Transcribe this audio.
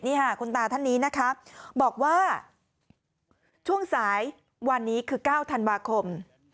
นี่ค่ะคุณตาท่านนี้นะคะบอกว่าช่วงสายวันนี้คือ๙ธันวาคม